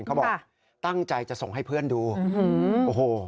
เขาบอกตั้งใจจะส่งให้เพื่อนดูโอ้โห